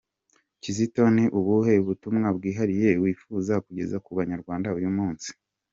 Kizito ni ubuhe butumwa bwihariye wifuza kugeza ku banyarwanda uyu munsi ?.